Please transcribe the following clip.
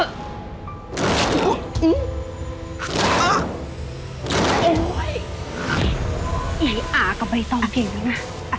ไอ้ห่างก็ไม่ต้องเผงนะ